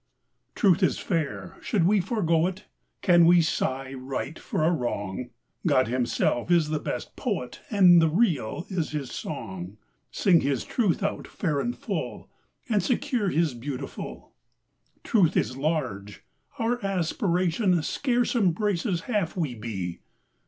Truth is fair; should we forego it? Can we sigh right for a wrong ? God Himself is the best Poet, And the Real is His song. Sing His Truth out fair and full, And secure His beautiful. Truth is large. Our aspiration Scarce embraces half we be.